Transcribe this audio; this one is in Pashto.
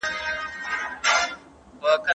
د دې ناول صحنې په پاریس کې انځور شوې دي.